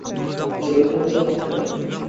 শহীদ হতে চান আপনারা?